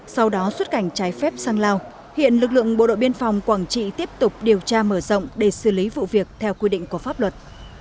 sau đó xuất cảnh trái phép sang lào hiện lực lượng bộ đội biên phòng quảng trị tiếp tục điều tra mở rộng để xử lý vụ việc theo quy định của pháp luật